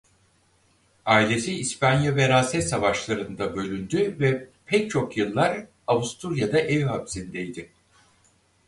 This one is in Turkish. Ailesi İspanya Veraset Savaşları'nda bölündü ve pek çok yıllar Avusturya'da ev hapsindeydi.